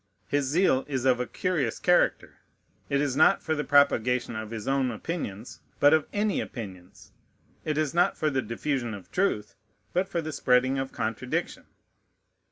His zeal is of a curious character. It is not for the propagation of his own opinions, but of any opinions. It is not for the diffusion of truth, but for the spreading of contradiction.